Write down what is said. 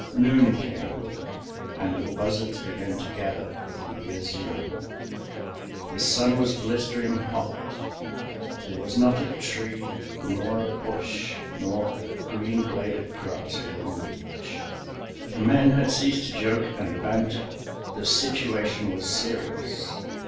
Noon came, and the buzzards began to gather in the azure. The sun was blistering hot—there was not a tree, nor a bush, nor a green blade of grass within reach. The men had ceased to joke and banter. The situation was serious.